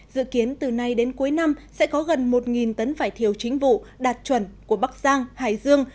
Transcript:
dự kiến từ nay đến cuối năm sẽ có gần một tấn vải thiều chính vụ đạt chuẩn của bắc giang hải dương